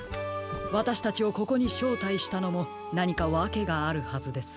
わたしたちをここにしょうたいしたのもなにかわけがあるはずです。